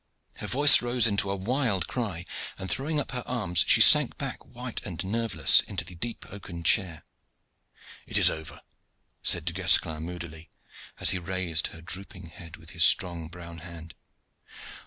Her voice rose into a wild cry, and throwing up her arms she sank back white and nerveless into the deep oaken chair. "It is over," said Du Guesclin moodily, as he raised her drooping head with his strong brown hand.